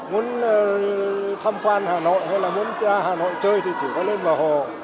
muốn tham quan hà nội hay là muốn ra hà nội chơi thì chỉ có lên bờ hồ